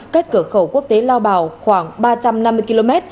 cách cửa khẩu quốc tế lao bảo khoảng ba trăm năm mươi km